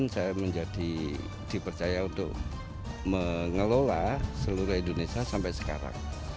dua ribu sembilan saya menjadi dipercaya untuk mengelola seluruh indonesia sampai sekarang